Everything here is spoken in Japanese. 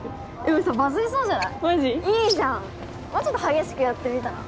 もうちょっと激しくやってみたら？